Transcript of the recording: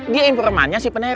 dia informannya sama dengan uya